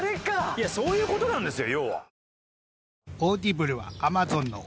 いやそういう事なんですよ要は。